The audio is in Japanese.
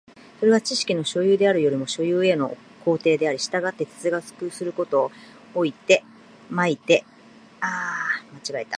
それは知識の所有であるよりも所有への行程であり、従って哲学することを措いて哲学はないのである。